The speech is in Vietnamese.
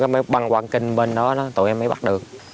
mới băng qua kênh bên đó tội em mới bắt được